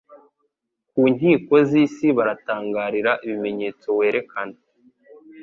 Ku nkiko z’isi baratangarira ibimenyetso werekana